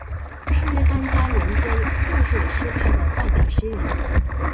是干嘉年间秀水诗派的代表诗人。